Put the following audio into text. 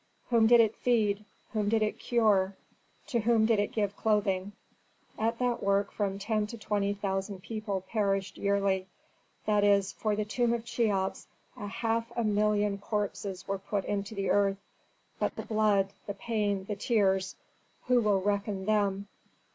Whom did it feed, whom did it cure, to whom did it give clothing? At that work from ten to twenty thousand people perished yearly; that is, for the tomb of Cheops a half a million corpses were put into the earth. But the blood, the pain, the tears, who will reckon them?